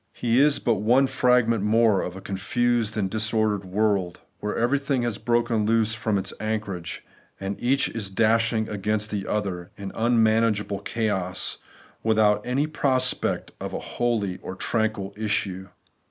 He is but one fragment more of a con fused and disordered world, where everything has broken loose from its anchorage, and each is dash ing against the other in unmanageable chaos, with out any prospect of a holy or tranquil issue.